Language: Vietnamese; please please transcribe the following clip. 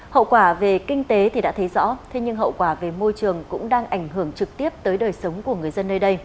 hậu quả về kinh tế thì đã thấy rõ thế nhưng hậu quả về môi trường cũng đang ảnh hưởng trực tiếp tới đời sống của người dân nơi đây